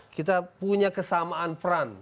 kita punya kesamaan peran